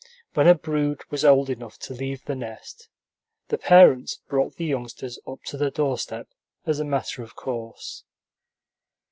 When a brood was old enough to leave the nest, the parents brought the youngsters up to the doorstep as a matter of course.